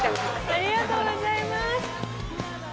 ありがとうございます。